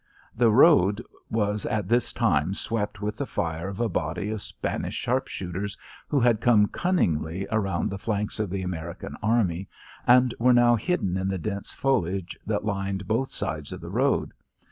The road was at this time swept with the fire of a body of Spanish sharpshooters who had come cunningly around the flanks of the American army, and were now hidden in the dense foliage that lined both sides of the road.